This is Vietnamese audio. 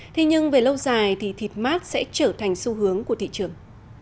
thế nhưng về lâu dài thì thịt mát sẽ trở thành xu hướng của thị trường